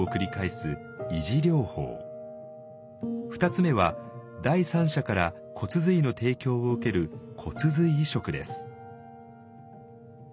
２つ目は第三者から骨髄の提供を受ける骨髄移植です。